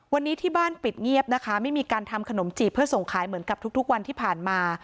วันนี้ที่บ้านปิดเงียบนะคะไม่มีการทำขนมจีบเพื่อส่งขายเหมือนกับทุกวันที่ผ่านมา